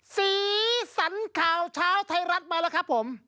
สีสันข่าวเช้าไทยรัฐมาแล้วครับผม